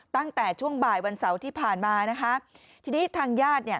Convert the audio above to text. ตั้งแต่ช่วงบ่ายวันเสาร์ที่ผ่านมานะคะทีนี้ทางญาติเนี่ย